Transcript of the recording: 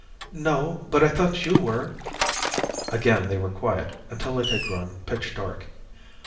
"No, but I thought you were." Again they were quiet until it had grown pitch dark.